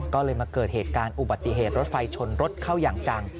ก็เลยมาเกิดเหตุการณ์อุบัติเหตุรถไฟชนรถเข้าอย่างจัง